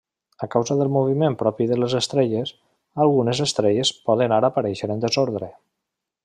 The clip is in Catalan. A causa del moviment propi de les estrelles, algunes estrelles poden ara aparèixer en desordre.